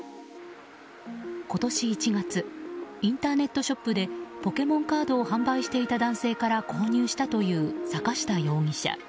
今年１月インターネットショップでポケモンカードを販売していた男性から購入したという坂下容疑者。